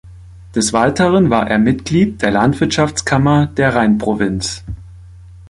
Des Weiteren war er Mitglied der Landwirtschaftskammer der Rheinprovinz.